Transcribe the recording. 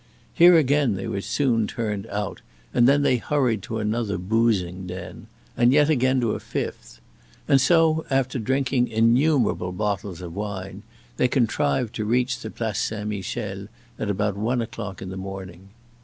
Here again they were soon turned out and then they hurried to another boozing den and yet again to a fifth. And so, after drinking innumerable bottles of wine, they contrived to reach the Place Saint Michel at about one o'clock in the morning.